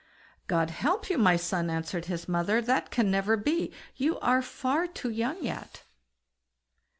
"God help you, my son!" answered his mother; "that can never be, you are far too young yet."